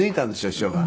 師匠が。